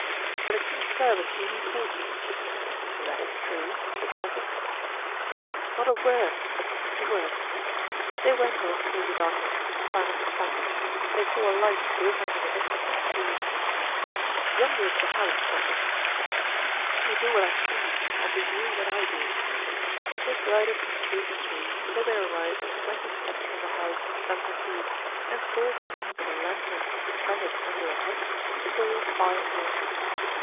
"For the king's service we need horses." "That is true," said Porthos. "Then not a word, but set to work!" They went on through the darkness, silent as phantoms; they saw a light glimmering in the midst of some trees. "Yonder is the house, Porthos," said the Gascon; "let me do what I please and do you what I do." They glided from tree to tree till they arrived at twenty steps from the house unperceived and saw by means of a lantern suspended under a hut, four fine horses.